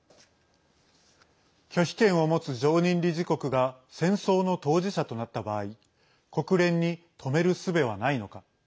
拒否権を持つ常任理事国が戦争の当事者となった場合国連に止めるすべはないのか。